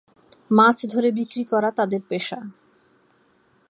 মাছ ধরে বিক্রি করা তাদের পেশা।